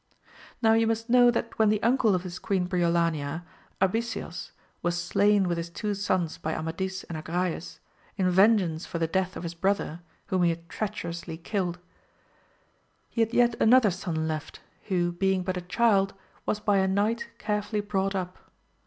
Now you must know that when the uncle of this Queen Briolania, Abiseos, was slain with his two sons by Amadis and Agrayes, in vengeance for the death of his brother, whom he had treacherously killed, he 124 AMADIS OF GAUL. had yet another son left, who, being but a child, was by a knight carefully brought up.